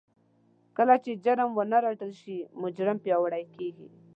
کله چې جرم ونه رټل شي مجرم پياوړی کېږي.